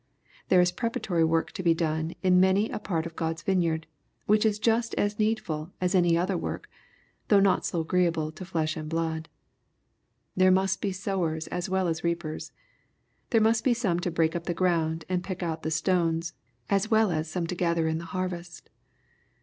There is preparatory work to be done in many a part of God's vineyard, which is just as needful as any other worET^o^gh not so agreeable to flesh and blood. There must be sowers as well as reapers. There must be some to break up the ground and pick out the stones, as well as some to gather in the harvest.